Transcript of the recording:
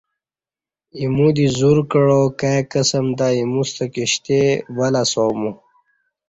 ایمو دی زور کعا کائی قسم تہ اِیموستہ کشتی وہ لسا مو